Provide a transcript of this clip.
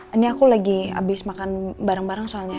ini aku lagi habis makan bareng bareng soalnya